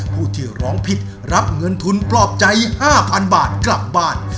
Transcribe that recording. ผู้ที่ร้องผิดรับเงินทุนปลอบใจ๕๐๐๐บาทกลับบ้าน